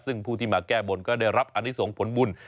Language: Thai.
ซึ่งผู้ที่มาแก้บ่นก็ได้รับอนิสงค์ผลบุญ